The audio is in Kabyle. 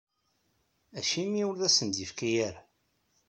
Acimi ur asen-d-yefki ara?